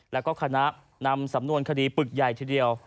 แล้วก็คณะนำสำนวนคดีปึกใหญ่ทีเดียว